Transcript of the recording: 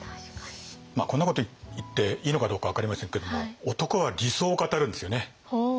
こんなこと言っていいのかどうか分かりませんけども男は理想を語るんですよね。